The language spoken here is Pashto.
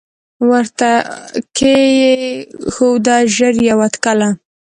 ورته کښې یې ښوده ژر یوه تلکه